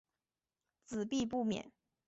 子必不免。